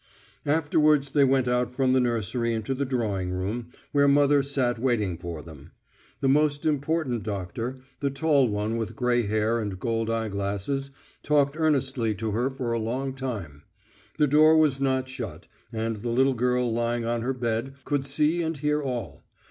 Afterwards they went out from the nursery into the drawing room, where mother sat waiting for them. The most important doctor the tall one with grey hair and gold eye glasses talked earnestly to her for a long time. The door was not shut, and the little girl lying on her bed could see and hear all.